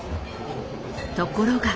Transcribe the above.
ところが。